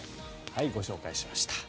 ご紹介しました。